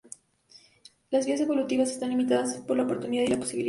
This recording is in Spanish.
Las vías evolutivas están limitadas por la oportunidad y la posibilidad.